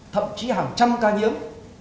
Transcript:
thậm chí hàng trăm ca nhiễm